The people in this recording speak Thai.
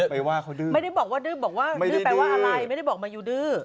ไปว่าคนนั้นไม่ได้บอกว่าอะไรไม่ได้บอกมายูดื้อ